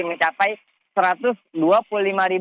mencapai satu ratus dua puluh kendaraan